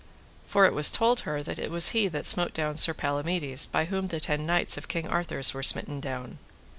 For it was told her that it was he that smote down Sir Palamides, by whom the ten knights of King Arthur's were smitten down.